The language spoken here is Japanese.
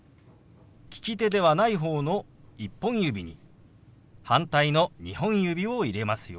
利き手ではない方の１本指に反対の２本指を入れますよ。